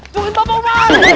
tungguin bapak umar